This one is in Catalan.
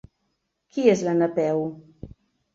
Qui és la Napeu?